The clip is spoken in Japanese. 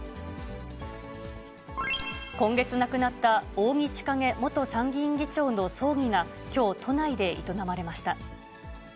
今月亡くなった扇千景元参議院議長の葬儀がきょう、都内で営まれました。